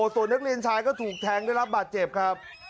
ส่วนนักเรียนชายก็ถูกแทงได้รับบาดเจ็บครับ